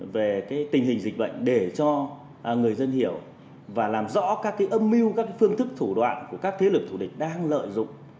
về tình hình dịch bệnh để cho người dân hiểu và làm rõ các âm mưu các phương thức thủ đoạn của các thế lực thủ địch đang lợi dụng